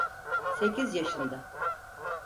Sekiz yaşında.